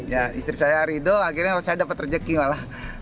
ya istri saya ridho akhirnya saya dapat rejeki malah